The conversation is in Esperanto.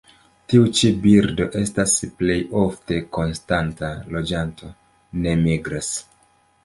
Tiu ĉi birdo estas plej ofte konstanta loĝanto; ne migras.